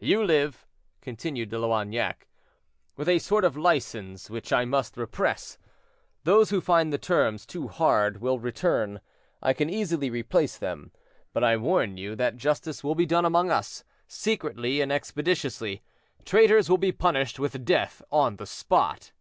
"You live," continued De Loignac, "with a sort of license which I must repress. Those who find the terms too hard will return; I can easily replace them; but I warn you that justice will be done among us, secretly and expeditiously. Traitors will be punished with death on the spot."